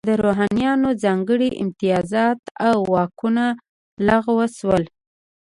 د روحانینو ځانګړي امتیازات او واکونه لغوه شول.